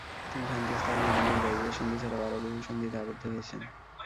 তিনি শান্তি স্থাপনের জন্য হুদাইবিয়ার সন্ধি ছাড়াও আরও বহু সন্ধিতে আবদ্ধ হয়েছেন।